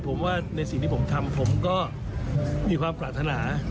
ผมว่าในสิ่งที่ผมทำผมก็มีความปรารถนา